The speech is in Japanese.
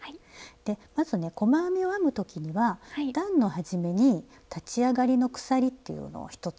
でまずね細編みを編む時には段の始めに立ち上がりの鎖っていうのを１つ編むんですけど。